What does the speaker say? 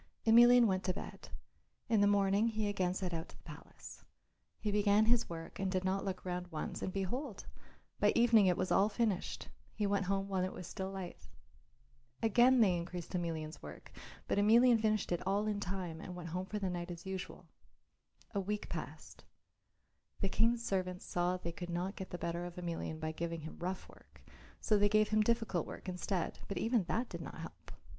Emelian went to bed. In the morning he again set out to the palace. He began his work and did not look round once, and behold! by evening it was all finished; he went home when it was still light. Again they increased Emelian's work, but Emelian finished it all in time and went home for the night as usual. A week passed. The King's servants saw that they could not get the better of Emelian by giving him rough work so they gave him difficult work instead, but even that did not help.